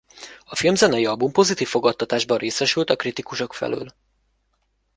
A filmzenei album pozitív fogadtatásban részesült a kritikusok felől.